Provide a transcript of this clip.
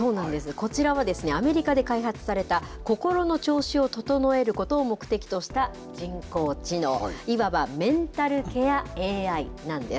こちらはアメリカで開発された、心の調子を整えることを目的とした人工知能、いわばメンタルケアＡＩなんです。